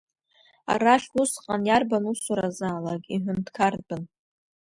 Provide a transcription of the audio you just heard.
Арахь усҟан иарбан усуразаалак иҳәынҭқартәын.